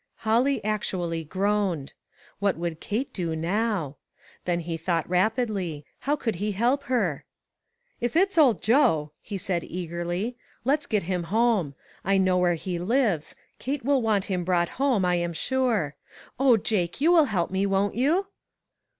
Holly actually groaned. What would Ksite do now ? Then he thought rapidly. How could he help her? " If it's old Joe," he said, eagerly, " let's get him home. I know where he lives ; 332 ONE COMMONPLACE DAY. Kate will want him brought home, I am sure. O Jake, you will help me, won't you